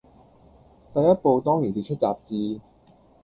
第一步當然是出雜誌，